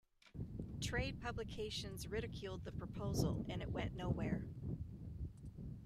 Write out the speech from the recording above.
Trade publications ridiculed the proposal and it went nowhere.